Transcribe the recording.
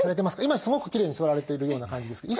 今すごくきれいに座られているような感じですけど。